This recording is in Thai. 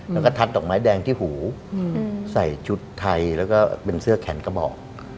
แล้วก็ทัดดอกไม้แดงที่หูใส่ชุดไทยแล้วก็เป็นเสื้อแขนกระบอก